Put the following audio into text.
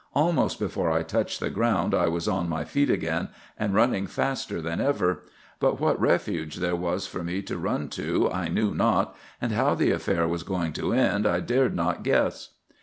Almost before I touched the ground I was on my feet again, and running faster than ever. But what refuge there was for me to run to I knew not, and how the affair was going to end I dared not guess.